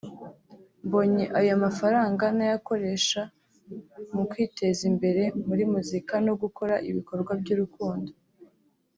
“Mbonye aya mafaranga nayakoresha mu kwiteza imbere muri muzika no gukora ibikorwa by’urukundo”